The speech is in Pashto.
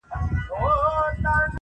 • لوېدلی ستوری له مداره وځم,